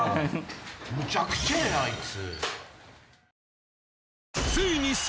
むちゃくちゃやなあいつ。